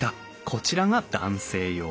こちらが男性用。